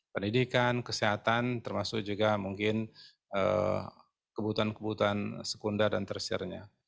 pendidikan kesehatan termasuk juga mungkin kebutuhan kebutuhan sekundar dan tersiernya